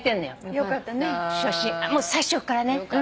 もう最初っからね。